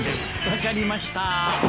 分かりました。